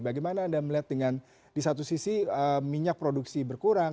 bagaimana anda melihat dengan di satu sisi minyak produksi berkurang